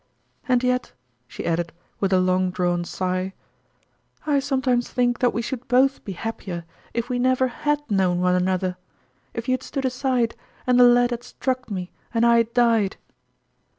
"And yet," she added, with a long drawn sigh, " I sometimes think that we should both be happier if we never had known one another ; if you had stood aside, and the lead had struck me and I had died